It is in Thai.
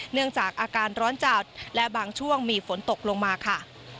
เนื่องจากอาการร้อนจัดและบางช่วงมีฝนตกลงมาค่ะ